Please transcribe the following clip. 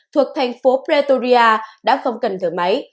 thuộc thành phố pretoria đã không cần thử máy